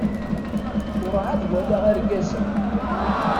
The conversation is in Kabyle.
Urɛad walaɣ argaz-a.